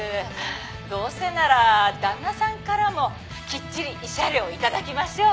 どうせなら旦那さんからもきっちり慰謝料頂きましょう。